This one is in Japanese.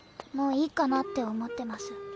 もういいかなって思ってます。